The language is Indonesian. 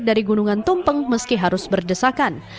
dari gunungan tumpeng meski harus berdesakan